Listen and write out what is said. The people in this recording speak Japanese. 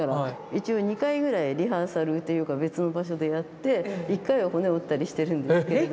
一応２回ぐらいリハーサルというか別の場所でやって１回は骨を折ったりしてるんですけれど。